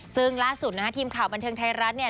ซึ่งล่าสุดนะฮะทีมข่าวบันเทิงไทยรัฐเนี่ย